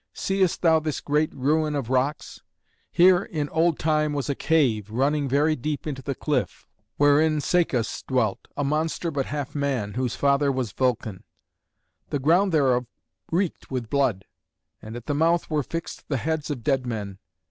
Seest thou this great ruin of rocks? Here in old time was a cave, running very deep into the cliff, wherein Cacus dwelt, a monster but half man, whose father was Vulcan. The ground thereof reeked with blood, and at the mouth were fixed the heads of dead men.